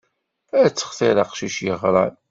Ad textiṛ aqcic yeɣran.